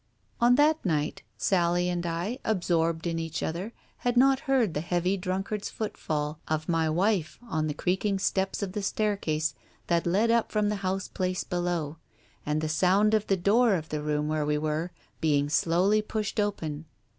On that night,. Sally and I, absorbed in each other, had not heard the heavy druhkard's footfall of my wife on the creaking steps of the staircase that led up from the house place below, and the sound of the door of the room where we were, being slowly pushed open.